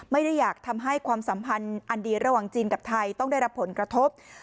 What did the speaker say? ไม่ได้อยากทำให้ความสัมพันธ์อันดีระหว่างจีนกับไทยต้องได้รับผลกระทบ